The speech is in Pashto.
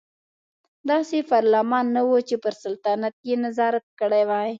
داسې پارلمان نه و چې پر سلطنت یې نظارت کړی وای.